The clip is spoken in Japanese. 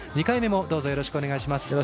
２回目もよろしくお願いします。